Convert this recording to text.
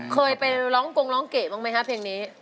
เคยไปร้องกงร้องเกะบ้างไหมครับเพลงนี้